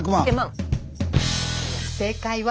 正解は。